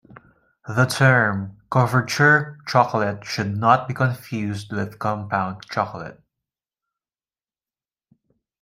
The term "couverture chocolate" should not be confused with compound chocolate.